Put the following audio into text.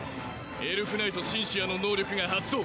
エルフナイト・シンシアの能力が発動。